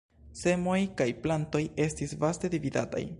Semoj kaj plantoj estis vaste dividataj.